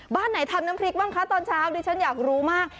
บ้านไหนทำน้ำพริกบ้างคะตอนเช้าดิฉันอยากรู้มาก